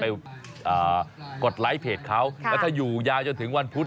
กดไลค์เพจเขาแล้วถ้าอยู่ยาวจนถึงวันพุธ